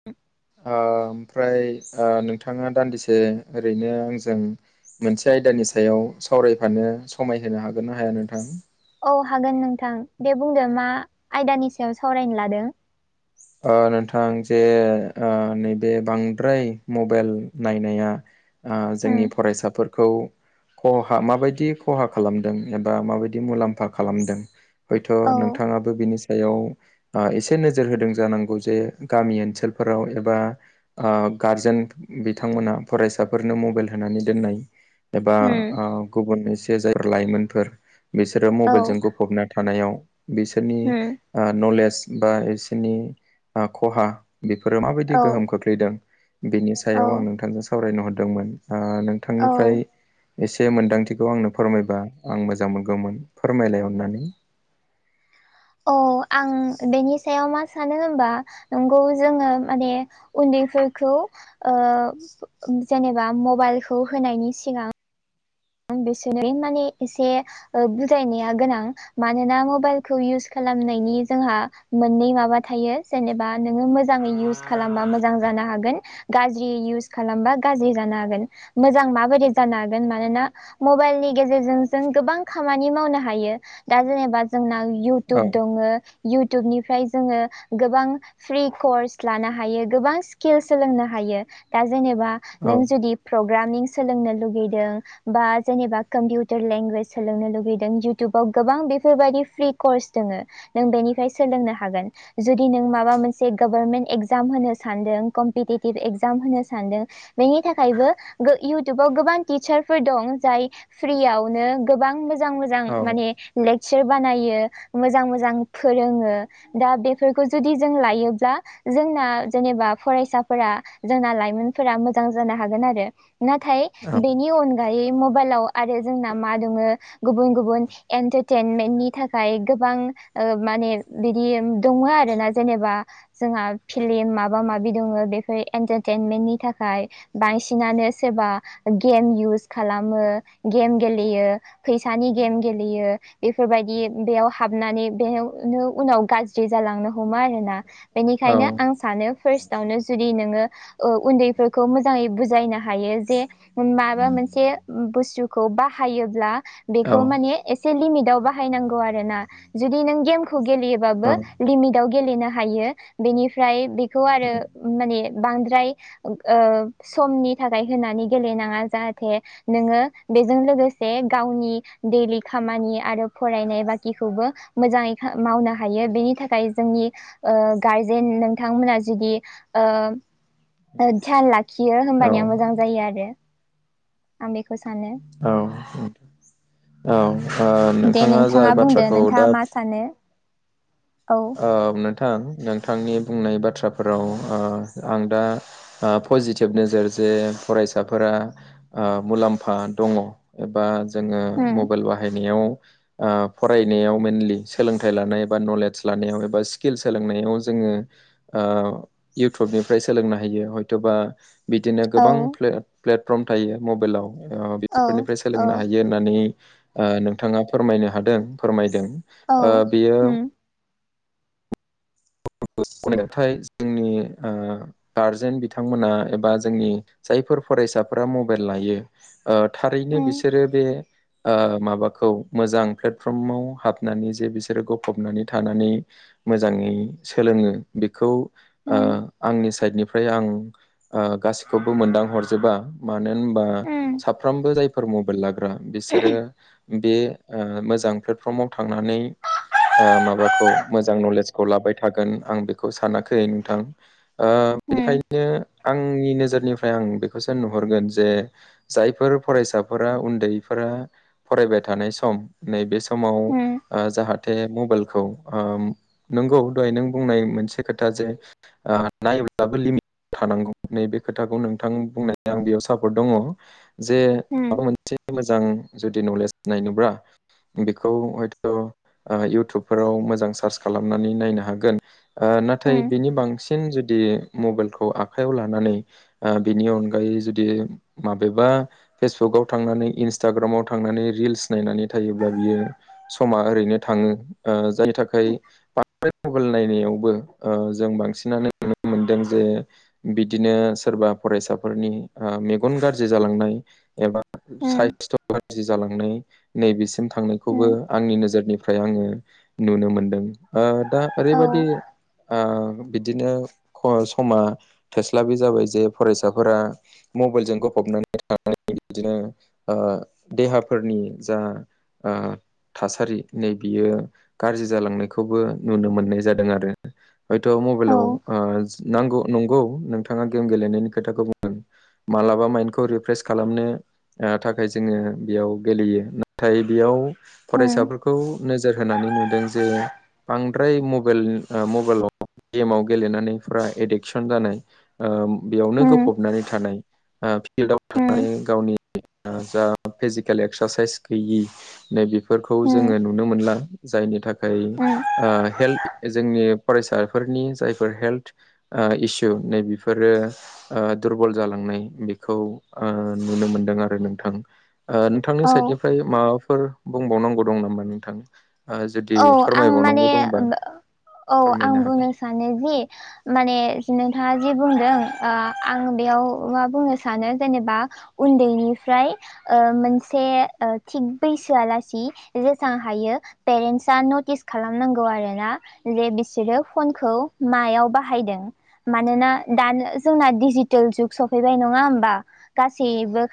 [inaudible] ओमफ्राय ओ नोंथाङा दान्दिसे ओरैनो आंजों मोनसे आयदानि सायाव सावरायफानो समायहोनो हागोन ना हाया नोंथां औ हागोन नोंथां दे बुंदो मा आयदानि सायाव सावरायनो लादों ओ नोंथां जे ओ नैबे बांद्राय मबाइल नायनाया ओ जोंनि उम फरायसाफोर खौ खहा माबायदि खहा खालामदों एबा माबायदि मुलाम्फा खालामदों हयथ' औ नोंथाङाबो बिनि सायाव एसे नोजोर होदों जानांगौ जे गामि ओनसोलफोराव एबा गारजेन बिथांमोना फरायसाफोरनो मबाइल होनानै दोननाय एबा उम गुबुन एसे जायफोर लाइमोनफोर बिसोरो औ मबाइलजों फबना थानायाव बिसोरनि उम नलेज बा बिसोरनि खहा बेफोरो माबायदि औ गोहोम खोख्लैदों बेनि सायाव आं औ नोंथांजों सावरायनो सावरायनो हरदोंमोन औ नोंथांनिफ्राय एसे मोन्दांथिखौ आंनो फोरमायबा आं मोजां मोनगौमोन फोरमायलाय अननानै औ आं बेनि सायाव मा सानो होमबा नंगौ जोङो माने उन्दैफोरखौ जेनेबा मबाइलखौ होनायनि सिगां बिसोरनो माने एसे बुजायनाया गोनां मानोना मबाइलखौ इउस खालामनायनि जोंहा मोननै माबा थायो जेनेबा नोङो मोजाङै इउस खालामबा मोजां जानो हागोन गाज्रि इउस खालामबा गाज्रि जानो हागोन मोजां माबायदि जानो हागोन मानोना मबाइलनि गेजेरजों जों गोबां खामानि मावनो हायो दा जेनेबा जोंना औ इउटुब दङ इउटुबनिफ्राय जोङो गोबां फ्रि कर्स लानो हायो गोबां स्किल सोलोंनो हायो दा जेनेबा औ नों जुदि प्रग्रामिं सोलोंनो लुगैदों बा जेनेबा कम्पिउटार लेंगुवेज सोलोंनो लुगैदों इउटुबाव गोबां बेफोरबायदि फ्रि कर्स दङो नों बेनिफ्राय सोलोंनो हागोन जुदि नों माबा मोनसे गभारमेन्ट एगजाम होनो सानदों कम्पिटिटिभ एक्जाम होनो सानदों बेनि थाखायबो इउटुबाव गोबां टिचार फोर दं जाय फ्रियावनो गोबां मोजां मोजां औ माने लेक्सार बानायो मोजां मोजां फोरोङो दा बेफोरखौ जुदि जों लायोब्ला जोंना जेनेबा फरायसाफोरा जोंना लाइमोनफोरा मोजां जानो हागोन आरो नाथाय औ बेनि अनगायै मबाइलाव आरो जोंना मा दङो गुबुन गुबुन एन्टारटेनमेन्टनि थाखाय गोबां माने बिदि दङ आरोना जेनेबा जोंहा फिल्म माबा माबि दङ बेफोर एन्टारटेनमेन्टनि थाखाय बांसिनानो सोरबा गेम इउस खालामो गेम गेलेयो फैसानि गेम गेलेयो बेफोरबायदि बेयाव हाबनानै बेयावनो उनाव गाज्रि फ्रि जालांनो हमा आरोना औ बेनिखायनो आं सानो फार्स्टआवनो जुदि नोङो उन्दैफोरखौ मोजाङै बुजायनो हायो जे माबा मोनसे जे बुस्थुखौ बाहायोब्ला बेखौ माने एसे लिमिटाव बाहायनांगौ आरो ना जुदि नों गेमखौ गेलेयोबाबो लिमिटाव गेलेनो हायो बेनिफ्राय बेखौ आरो माने बांद्राय समनि थाखाय होनानै गेलेनाङा जाहाथे नोङो बेजों लोगोसे गावनि दैइलि खामानि आरो फरायनाय बाखिखौबो मोजाङै मावनो हायो बेनि थाखाय जोंनि गारजेन नोंथांमोना जुदि ध्यान लाखियो औ होमबानिया मोजां जायो आरो आं बेखौ सानो औ औ औ दे नोंथाङा बुंदो नोंथाङा मा सानो औ नोंथां नोंथांनि बुंनाय बाथ्राफोराव आं दा पजिटिभ नोजोर जे फरायसाफोरा मुलाम्फा दङ एबा जोङो उम मबाइल बाहायनायाव फरायनायाव मइेनलि सोलोंथाइ लानाय बबा नलेज लानायाव एबा स्किल सोलोंनायाव जोङो ओ इउटुबनिफ्राय सोलोंनो हायो हयथ'बा बिदिनो औ गोबां प्लेटफर्म थायो मबाइलाव औ बेफोरनिफ्राय औ सोलोंनो हायो। होननानै नोंथाङा फोरमायनो हादों फोरमायदों। औ ओ बेयो ओम [unintelligible] थाय जोंनि गार्जेन बिथांमोना एबा जोंनि जायफोर फरायसाफोरा मबाइल लायो। ओ थारैनो उम बिसोरो बे माबाखौ मोजां प्लेटफर्माव हाबनानै जे बिसोरो गफबनानै थानानै मोजाङै सोलोङो बेखौ उम आंनि साइडनिफ्राय आं ओ गासिखौबो मोनदां हरजोबा मानो होनबा उम साफ्रोमबो जायफोर मबाइल लाग्रा बिसोरो बे मोजां प्लेटफर्माव थांनानै ओ माबाखौ मोजां नलेजखौ लाबाय। थागोन आं बेखौ सानाखै नोंथां ओ उम बेनिखायनो आंनि नोजोरनिफ्राय आं बेखौसो नुहरगोन जे जायफोर फरायसाफोरा उन्दैफोरा फरायबाय थानाय सम नैबे समाव उम जाहाथे मबाइलखौ नंगौ दहाय नों बुंनाय मोनसे खोथा जे ओ नायब्लाबो लिमिथ थानांगौ नैबे खोथाखौ नोंथां बुंनाय आं बेयाव सापर्ट दङ। जे उम माबा मोनसे मोजां जुदि नलेज नायनोब्ला बेखौ हयथ' इउटुबफोराव मोजां सार्च खालामनानै नायनो हायो। हागोन नाथाय उम बिनि बांसिन जुदि मबाइलखौ आखाइयाव लानानै ओ बिनि अनगायै जुदि माबेबा फेसबुकाव थांनानै इन्सटाग्रामाव थांनानै रिल्स नायनानै थायोब्ला बियो समा ओरैनो थाङो ओ जायनि थाखाय बांद्राय मबाइल नायनायावबो जों बांसिनानो मोनदों जे बिदिनो सोरबा फरायसाफोरनि ओ मेगन गाज्रि जालांनाय एबा उम साइस्थ' गाज्रि जालांनाय नैबेसिम थांनायखौबो उम आंनि नोजोरनिफ्राय आङो नुनो मोनदों ओ दा औ ओरैबायदि ओ बिदिनो समा थोस्लाबि जाबाय जे फरायसाफोरा मबाइलजों गफबनानै थनाय बिदिनो देहाफोरनि जा ओ थासारि नै बियो गाज्रि जालांनायखौबो नुनो मोननाय जादों आरो हयथ' औ मबाइलाव ओ नांगौ नंगौ नोंथाङा गेम गेलेनायनि खोथाखौ बुंदों मालाबा माइन्डखौ रिफ्र्रेस खालामनो ओ थाखाय जोङो बेयाव गेलेयो नाथाय बेयाव उम फरायसाफोरखौ नोजोर होनानै नुदों जे बांद्राय मबाइल मबाइलाव गेमाव गेलेनानैफ्रा एडिकसन जानाय ओ बेयावनो उम गोफबनानै थानाय ओ फिल्डआव उम थांनानै गावनि जा फिजिकेल एक्सारसाइस गैयि नै बेफोरखौ उम जोङो नुनो मोनला जायनि थाखाय उम ओ हेल्थ जोंनि फरायसाफोरनि जायफोर हेल्थ ओ इसु नै बेफोरो ओ दुरबल जालांनाय बेखौ ओ नुनो मोनदों आरो नोंथां ओ नोंथांनि औ साइडनिफ्राय माबाफोर बुंबावनांगौ दं नामा नोंथां जुदि औ आं फोरमायबावनांगौ दंबा माने औ फोरमायनो आं हागोन बुंनो सानो जि माने नोंथाङा जि बुंदों ओ आं बेयाव मा बुंनो सानो जेनेबा उनदैनिफ्राय ओ मोनसे ओ थिग बैसोआलासि जोसां हायो पेरेन्टसा नटिस खालामनांगौ आरोना ले बिसोरो फनखौ मायाव बाहायदों मानोना दानो जोंना दिडजिटेल जुग सफैबाय नङा होमबा गासैबो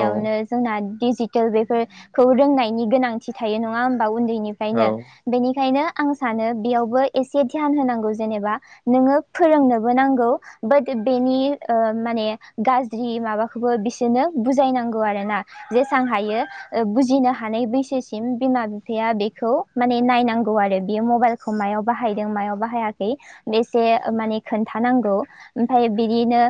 औ जोंना डिजिटेल बेफोरखौ रोंनायनि गोनांथि थायो नङा होमबा औ उनदैनिफ्रायनो बेनिखायनो आं सानो बेयावबो एसे ध्यान होनांगौ जेनेबा नोङो फोरोंनोबो नांगौ बाट बेनि ओ माने गाज्रि माबाखौबो बिसोरनो बुजायनांगौ आरोना जेसेबां हायो बुजिनो हानाय बैसोसिम बिमा बिफाया बे खौ माने नायनांगौ आरो बियो मबाइलखौ मायाव बाहायदों मायाव बाहायाखै बेसे माने खोन्थानांगौ ओमफ्राय बिदिनो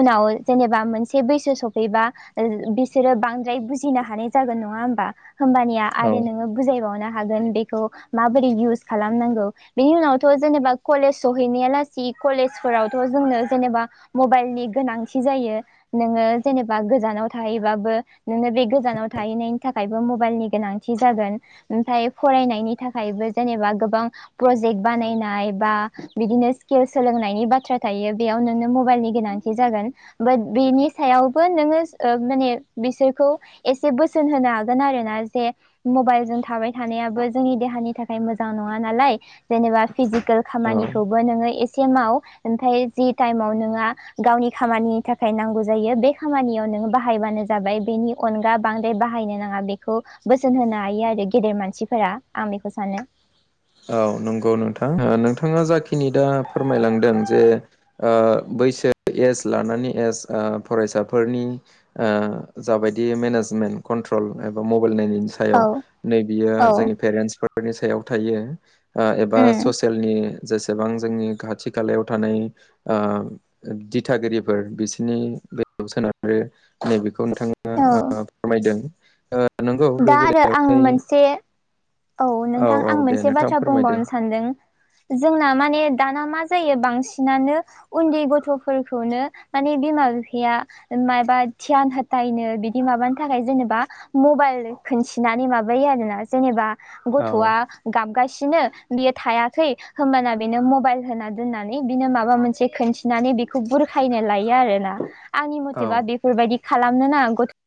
उनाव जेनेबा मोनसे बैसो सफैबा ओ बिसोरो बांद्राय बुजिनो हानाय जागोन नङा होमबा होमबानिया औ आरो नोङो बुजायबावनो हागोन बेखौ माबोरै इउस खालामनांगौ बिनि उनावथ' जेनेबा कलेज सहैनाया लासि कलेजफोरावथ' जोंनो जेनेबा मबाइलनि गोनांथि जायो नोङो जेनेबा गोजानाव थाहैबाबो नोङो बे गोजानाव थाहैनायनि थाखायबो मबाइलनि गोनांथि जागोन ओमफ्राय फरायनायनि थाखायबो जेनेबा गोबां प्रजेक्ट बानायनाय बा बिदिनो स्किल सोलोंनायनि बाथ्रा थायो बेयाव नोंनो मबाइलनि गोनांथि जागोन बाट बेनि सायावबो नोङो माने बिसोरखौ एसे बोसोन होनो हागोन आरोना जे मबाइल जों थाबाय थानायाबो जोंनि देहानि थाखाय मोजां नङा नालाय जेनेबा फिजिकेल औ खामानिखौ बो नोङो एसे माव ओमफ्राय जि टाइमाव नोङा गावनि खामानिनि था खाय नांगौ जायो बे खामानियाव नोङो बाहायबानो जाबाय बेनि अनगा बांद्राय बाहायनो नाङा बे खौ बोसोन होनो हायो आरो गेदेर मानसिफोरा आं बेखौ सानो औ नंगौ नोंथां नोंथाङा जाखिनि दा फोरमायलांदों जे ओ बैसो एस लानानै एस ओ फरायसाफोरनि ओ जाबायदि मेनेजमेन्ट कन्ट्रल एबा मबाइल नायनायनि सायाव औ नै बियो औ जोंनि पेरेन्टसफोरनि सायाव थायो ओ एबा उम ससेयलनि जेसेबां जोंनि खाथि खालायाव थानाय ओ दिथागिरिफोर बिसोरनि बेलायाव सोनारो नैबेखौ नोंथां औ ओ फोरमायदों ओ दा आरो आं मोनसे औ नोंथां औ आं दे मोनसे नोंथां बाथ्रा फोरमायदो बुंबावनो सानदों जोंना माने दाना मा जायो बांसिनानो उन्दै गथ'फोरखौनो माने बिमा बिफाया मायबा थियाथार नायनो बिदि माबानि थाखाय जेनेबा मबाइल खिन्थिनानै माबायो आरोना जेनेबा औ गथ'आ गाबगासिनो बियो थायाखै होमबाना बेनो मबाइल होना दोननानै बिनो माबा मोनसे खोनसे खोन नानै बेखौ बुरखायनो लायो आरोना आंनि औ मथेबा बेफोरबायदि खालामनो नाङा गथ'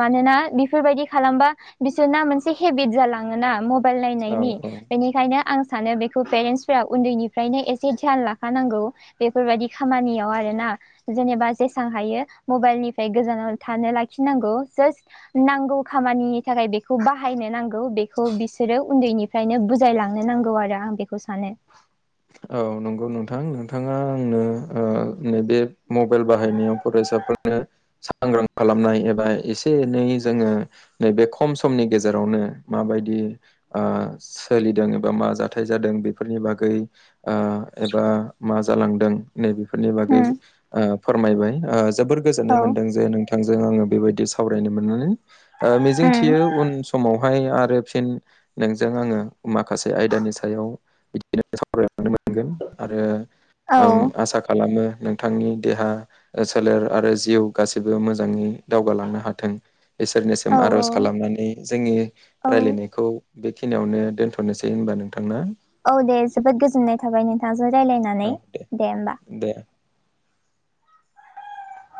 मानोना बेफोरबायदि खालामबा बिसोरना मोनसे हेबिट जालाङोना बाइल औ नायनायनि औ बेनि ओंखायनो आं सानो बेखौ पेरेन्टसफोरा उन्दैनिफ्रायनो एसे ध्यान लाखानांगौ बेफोरबायदि खामानियाव आरोना जेनेबा जेसबां हायो मबाइलनिफ्राय गोजानाव थानो लाखिनांगौ जास्ट नांगौ खामानिनि थाखाय बेखौ बाहायनो नांगौ बेखौ बिसोरो उन्दैनि फ्रायनो बुजायलांनो नांगौ आरो आं बेखौ सानो औ नंगौ नोंथां नोंथाङा आंनो ओ नैबे मबाइल बाहायनायाव फरायसाफोर सांग्रा खालामनाय एबा एसे एनै जोङो नैबे खम समनि गेजेरावनो माबायदि सोलिदों एबा मा जाथाय जादों बेफोरनि बागै एबा मा जालांदों नैफोरनि बागै उम फोरमायबाय जोबोर औ गोजोननाय मोनदों जे नोंथांजों आङो बेबायदि सावरायनो मोननानै मिजिं उम थियो उन समाव बेहाय आरो फिन नोंजों आङो माखासे आयदानि सायाव बिदिनो सावरायलांनो मोनगोन आरो औ आसा खालाम खालामो नोंथांनि देहा सोलेर आरो जिउ गासिबो मोजाङै दावगालांनो हाथों औ इसोरनिसिम आर'ज औ खालामनानै जोंनि औ राय्लायनायखौ बेखिनियावनो दोनथ'नोसै होनबा नोंथां ना औ दे जोबोद गोजोननाय थाबाय नोंथांजों रायज्लायनानै दे होमबा दे